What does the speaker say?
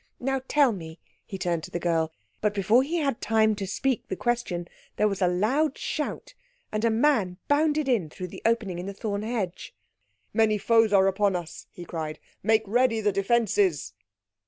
Now, tell me—" He turned to the girl, but before he had time to speak the question there was a loud shout, and a man bounded in through the opening in the thorn hedge. "Many foes are upon us!" he cried. "Make ready the defences!"